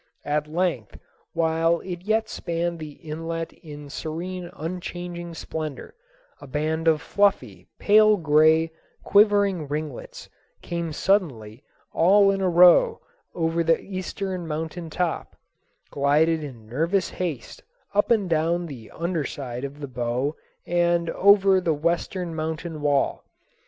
At length while it yet spanned the inlet in serene unchanging splendor, a band of fluffy, pale gray, quivering ringlets came suddenly all in a row over the eastern mountain top, glided in nervous haste up and down the under side of the bow and over the western mountain wall.